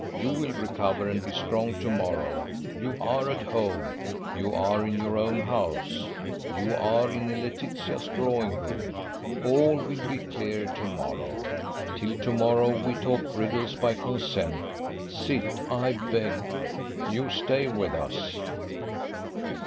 You will recover and be strong to morrow: you are at home; you are in your own house; you are in Laetitia's drawing room. All will be clear to morrow. Till to morrow we talk riddles by consent. Sit, I beg. You stay with us."